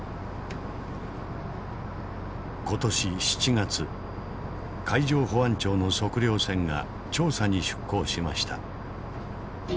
今年７月海上保安庁の測量船が調査に出航しました。